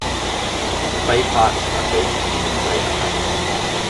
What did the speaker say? Clay pots are baked in a clay oven.